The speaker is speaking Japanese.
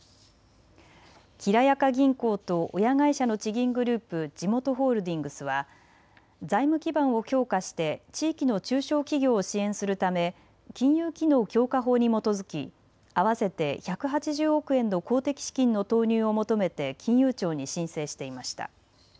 きらやか銀行と親会社の地銀グループ、じもとホールディングスは財務基盤を強化して地域の中小企業を支援するため金融機能強化法に基づき、合わせて１８０億円の公的資金の投入を求めて金融庁に申請していました。